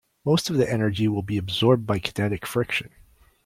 Most of the energy will be absorbed by kinetic friction.